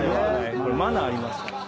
マナーありますから。